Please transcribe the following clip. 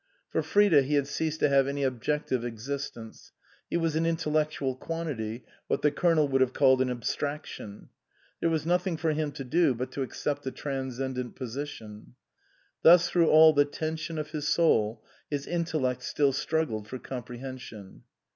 For Frida he had ceased to have any objective existence, he was an intellectual quantity, what the Colonel would have called an abstraction. There was nothing for him to do but to accept the transcendent position. Thus through all the tension of his soul, his intellect still struggled for comprehension.